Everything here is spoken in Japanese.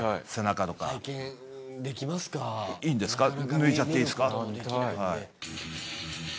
脱いじゃっていいんですか。